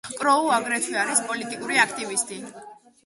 კროუ აგრეთვე არის პოლიტიკური აქტივისტი.